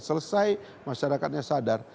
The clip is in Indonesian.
selesai masyarakatnya sadar